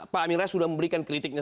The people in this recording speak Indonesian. pak amin rais sudah memberikan kritiknya